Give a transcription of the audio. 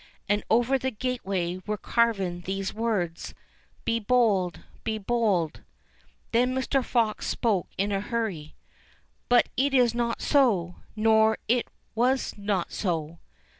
And over the gateway were carven these words : BE BOLD — BE BOLD." Then Mr. Fox spoke in a hurry. " But it is not so — nor it was not so."